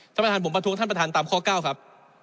ท่านประธานผมประท้วงท่านประธานตามข้อ๙ครับ